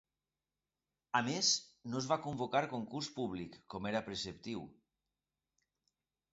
A més no es va convocar concurs públic, com era preceptiu.